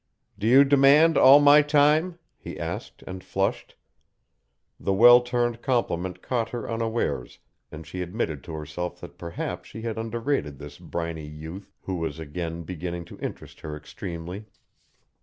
"Do you demand all my time?" he asked and flushed. The well turned compliment caught her unawares and she admitted to herself that perhaps she had underrated this briny youth who was again beginning to interest her extremely.